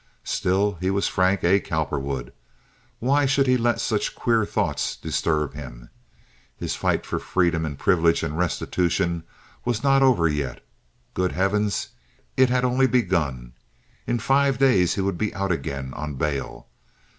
Still he was Frank A. Cowperwood. Why should he let such queer thoughts disturb him? His fight for freedom and privilege and restitution was not over yet. Good heavens! It had only begun. In five days he would be out again on bail.